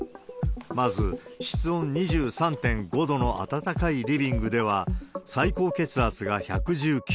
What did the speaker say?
まず室温２３．５度の暖かいリビングでは、最高血圧が１１９。